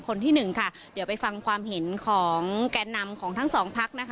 คนที่หนึ่งค่ะเดี๋ยวไปฟังความเห็นของแก่นำของทั้งสองพักนะคะ